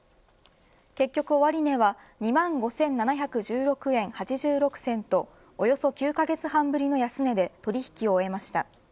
結局、終値は２万５７１６円８６銭とおよそ９カ月半ぶりの安値で取引を終えました。